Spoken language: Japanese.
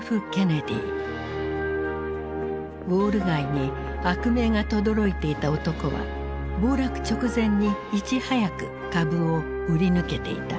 ウォール街に悪名がとどろいていた男は暴落直前にいち早く株を売り抜けていた。